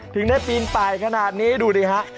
ถึงได้ปีนป่ายขนาดนี้ดูดิฮะ